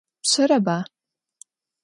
Pş'ereba?